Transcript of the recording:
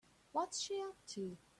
What's she up to?